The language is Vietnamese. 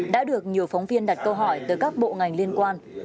đã được nhiều phóng viên đặt câu hỏi tới các bộ ngành liên quan